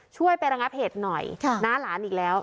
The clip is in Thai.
ช่วยไประงับเหตุหน่อยน้าหลานอีกแล้ว